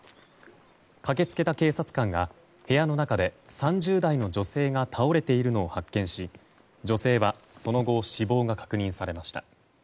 駆けつけた警察官が部屋の中で３０代の女性が倒れているのを発見し女性は、その後死亡が確認されました。